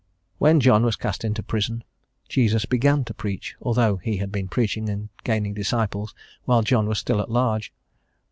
When John was cast into prison, Jesus began to preach, although He had been preaching and gaining disciples while John was still at large.